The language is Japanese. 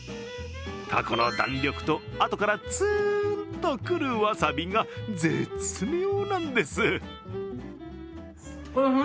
たこの弾力とあとからツーンとくるわさびが絶妙なんです。